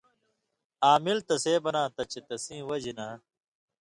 عامل تسے بناں تھہ چے تسیں وجہۡ نہ